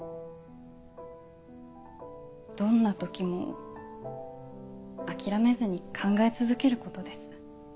どんな時も諦めずに考え続けることです。